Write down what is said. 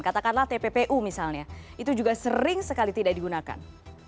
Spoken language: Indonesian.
katakanlah tppu misalnya itu juga sering sekali tidak digunakan